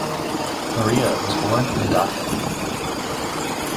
Maria was born in Dhaka.